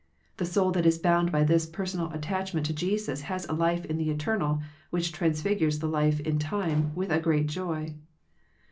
The soul that is bound by this personal attachment to Jesus has a life in the eternal, which transfigures the life in time with a great joy.